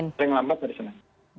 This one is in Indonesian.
yang lambat hari senin